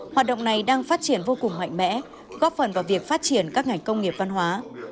hoạt động này đang phát triển vô cùng mạnh mẽ góp phần vào việc phát triển các ngành công nghiệp văn hóa